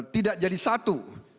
tidak jadi satu